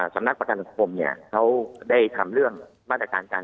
สำนักประกันสังคมเนี่ยเขาได้ทำเรื่องมาตรการการ